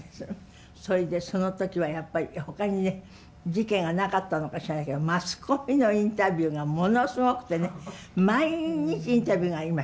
それでその時はやっぱりほかにね事件がなかったのか知らないけどマスコミのインタビューがものすごくてね毎日インタビューがありました。